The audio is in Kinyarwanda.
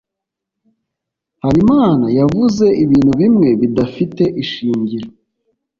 habimana yavuze ibintu bimwe bidafite ishingiro